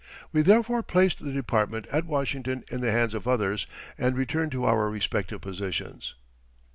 We therefore placed the department at Washington in the hands of others and returned to our respective positions.